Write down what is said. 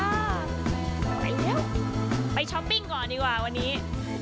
ไปเรียวไปเชาปิ้งก่อนดีกว่าวันนี้